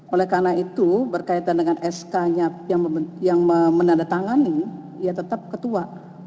oleh karena itu berkaitan dengan sk nya yang menandatangani ya tetap ketua